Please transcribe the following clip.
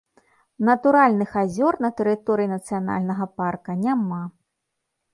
Натуральных азёр на тэрыторыі нацыянальнага парка няма.